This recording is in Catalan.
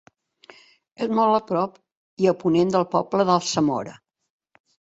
És molt a prop i a ponent del poble d'Alsamora.